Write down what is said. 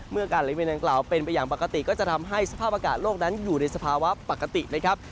การละเวียนดังกล่าวเป็นไปอย่างปกติก็จะทำให้สภาพอากาศโลกนั้นอยู่ในสภาวะปกตินะครับ